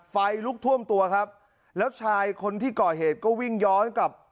ไฟลุกท่วมตัวครับแล้วชายคนที่ก่อเหตุก็วิ่งย้อนกลับ